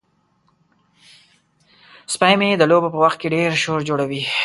سپی مې د لوبو په وخت کې ډیر شور جوړوي.